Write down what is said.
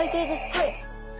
はい。